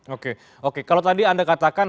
oke oke kalau tadi anda katakan